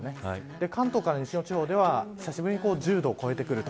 関東から西の地方では久しぶりに１０度を超えてくると。